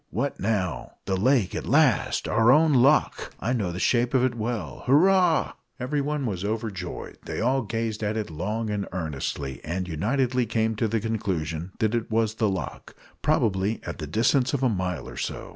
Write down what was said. "What now?" "The lake at last! Our own loch! I know the shape of it well! Hurrah!" Everyone was overjoyed. They all gazed at it long and earnestly, and unitedly came to the conclusion that it was the loch probably at the distance of a mile or so.